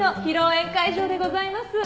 宴会場でございます。